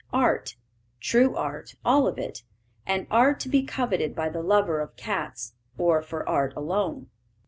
Art true art all of it; and art to be coveted by the lover of cats, or for art alone.